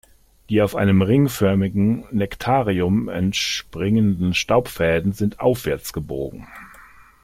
Die auf einem ringförmigen Nektarium entspringenden Staubfäden sind aufwärts gebogen.